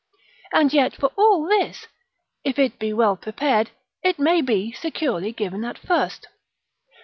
And yet for all this, if it be well prepared, it may be securely given at first.